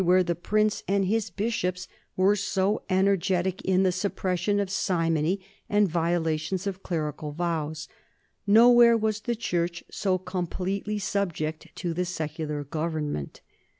41. 166 NORMANS IN EUROPEAN HISTORY bishops were so energetic in the suppression of simony and violations of clerical vows ; nowhere was the church so completely subject to the secular government.